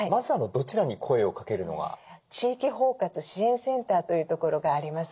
地域包括支援センターというところがあります。